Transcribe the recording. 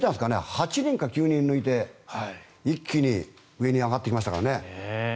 ８人か９人抜いて一気に上に上がっていきましたからね。